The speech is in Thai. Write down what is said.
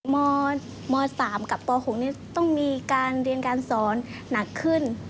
ม๓กับป๖นี้ต้องมีการเรียนการสอนหนักขึ้น